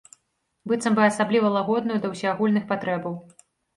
Быццам бы асабліва лагодную да ўсеагульных патрэбаў.